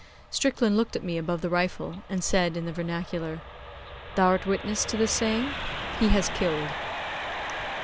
Strickland looked at me above the rifle, and said, in the vernacular, 'Thou art witness to this saying? He has killed.